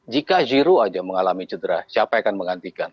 jika zero saja mengalami cedera siapa yang akan menggantikan